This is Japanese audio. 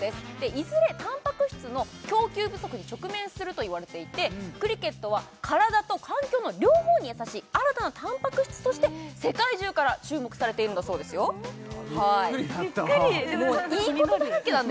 いずれタンパク質の供給不足に直面するといわれていてクリケットは体と環境の両方に優しい新たなタンパク質として世界中から注目されているんだそうですよびっくりだったわびっくりでもちょっと気になる